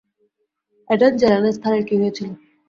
Allen জানে না এস্থারের কী হয়েছিল।